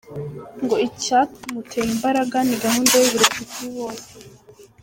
Ngo icyamuteye imbaraga ni gahunda y’uburezi kuri bose.